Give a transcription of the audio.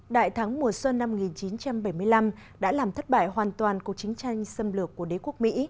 đại thắng mùa xuân năm một nghìn chín trăm bảy mươi năm đã làm thất bại hoàn toàn cuộc chiến tranh xâm lược của đế quốc mỹ